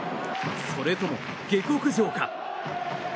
それとも下克上か。